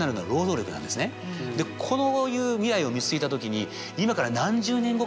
こういう未来を見据えた時に今から。